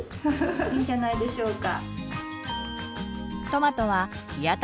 いいんじゃないでしょうか。